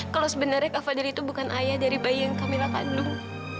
kalau sebenarnya kak fadil itu bukan ayah dari bayi yang kamilah kandung